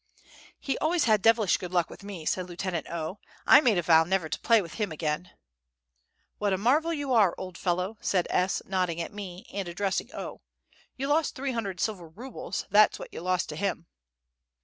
"He always had devilish good luck with me," said Lieutenant O. "I made a vow never to play with him again." "What a marvel you are, old fellow!" said S., nodding at me, and addressing O. "You lost three hundred silver rubles, that's what you lost to him."